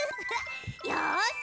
よし！